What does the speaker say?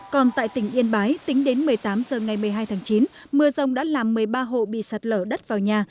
còn tại tỉnh yên bái tính đến một mươi tám h ngày một mươi hai tháng chín mưa rông đã làm một mươi ba hộ bị sạt lở đất vào nhà